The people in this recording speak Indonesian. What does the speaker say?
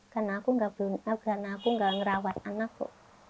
karena aku tidak merawat anakku